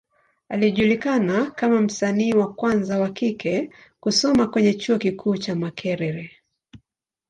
Alijulikana kama msanii wa kwanza wa kike kusoma kwenye Chuo kikuu cha Makerere.